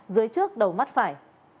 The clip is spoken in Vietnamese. dưới trước đầu mắt phải